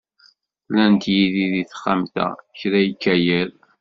Llant yid-i deg texxamt-a, kra yekka yiḍ.